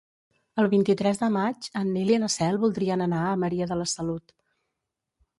El vint-i-tres de maig en Nil i na Cel voldrien anar a Maria de la Salut.